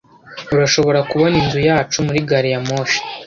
Urashobora kubona inzu yacu muri gari ya moshi.